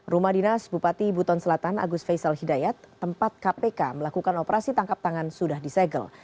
rumah dinas bupati buton selatan agus faisal hidayat tempat kpk melakukan operasi tangkap tangan sudah disegel